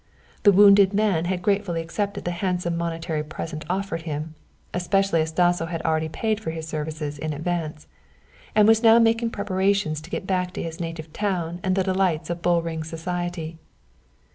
The wounded man had gratefully accepted the handsome monetary present offered him (especially as Dasso had already paid for his services in advance), and was now making preparations to get back to his native town and the delights of bull ring society.